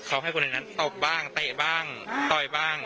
เขาให้คนในนั้นตบบ้างเตะบ้างต่อยบ้าง